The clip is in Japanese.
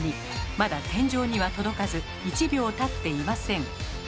まだ天井には届かず１秒たっていません。